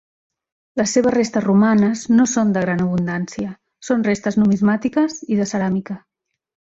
Les seves restes romanes no són de gran abundància, són restes numismàtiques i de ceràmica.